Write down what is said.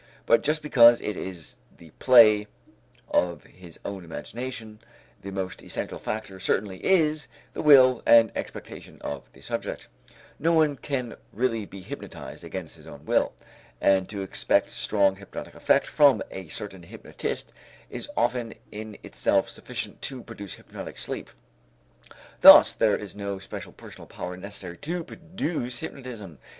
But just because it is the play of his own imagination, the most essential factor certainly is the will and expectation of the subject. No one can really be hypnotized against his own will. And to expect strong hypnotic effect from a certain hypnotist is often in itself sufficient to produce hypnotic sleep. Thus there is no special personal power necessary to produce hypnotism.